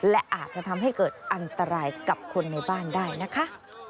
และอาจจะทำให้เกิดอันตรายกับคนในบ้านได้นะคะ